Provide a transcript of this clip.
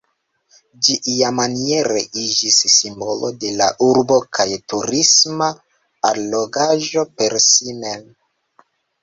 Ĝi iamaniere iĝis simbolo de la urbo kaj turisma allogaĵo per si mem.